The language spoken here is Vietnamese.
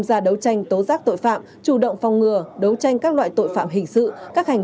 gia đấu tranh tố giác tội phạm chủ động phòng ngừa đấu tranh các loại tội phạm hình sự các hành